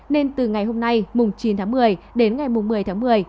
nên từ ngày hôm nay mùng chín tháng một mươi đến ngày một mươi tháng một mươi